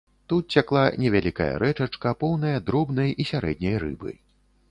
Тут цякла невялікая рэчачка, поўная дробнай і сярэдняй рыбы.